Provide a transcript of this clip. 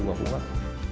của phú quốc